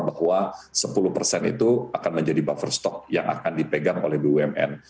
bahwa sepuluh persen itu akan menjadi buffer stok yang akan dipegang oleh bumn